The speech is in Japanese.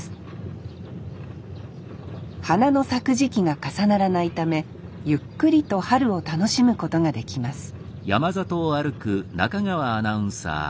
花の咲く時期が重ならないためゆっくりと春を楽しむことができます